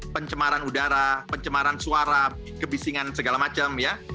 pencemaran udara pencemaran suara kebisingan segala macam ya